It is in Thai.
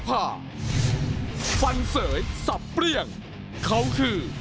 สวัสดีครับ